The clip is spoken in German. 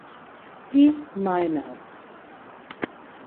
Die Miners.